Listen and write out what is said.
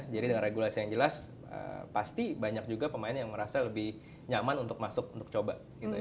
jadi dengan regulasi yang jelas pasti banyak juga pemain yang merasa lebih nyaman untuk masuk untuk coba